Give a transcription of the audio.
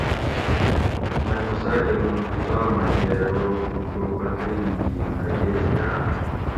میٔں موسیٰ کہ منو موسیٰ میکہ ارو تو چو پترییٔں گین اۤ ییش چاۤ